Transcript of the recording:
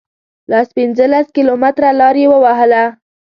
لس پنځلس کیلومتره لار یې ووهله.